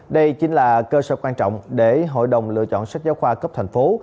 đây chính là cơ sở quan trọng để hội đồng lựa chọn sách giáo khoa cấp thành phố